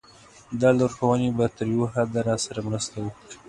دا لارښوونې به تر یوه حده راسره مرسته وکړي.